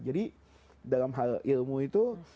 dalam hal ilmu itu